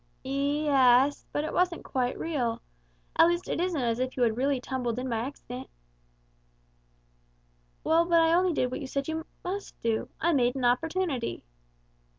"Ye es, but it wasn't quite real at least it isn't as if you really had tumbled in by accident." "Well but I only did what you said we must do. I made an opportunity."